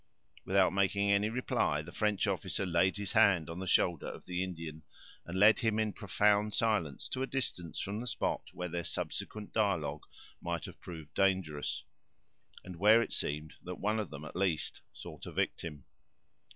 Without making any reply, the French officer laid his hand on the shoulder of the Indian, and led him in profound silence to a distance from the spot, where their subsequent dialogue might have proved dangerous, and where it seemed that one of them, at least, sought a victim.